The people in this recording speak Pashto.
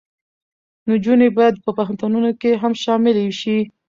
نجونې باید په پوهنتونونو کې هم شاملې شي.